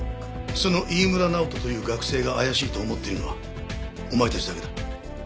その飯村直人という学生が怪しいと思っているのはお前たちだけだ。